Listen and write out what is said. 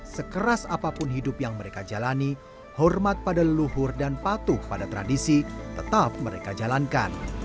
sekeras apapun hidup yang mereka jalani hormat pada leluhur dan patuh pada tradisi tetap mereka jalankan